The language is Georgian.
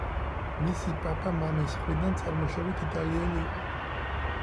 მისი პაპა მამის მხრიდან წარმოშობით იტალიელი იყო.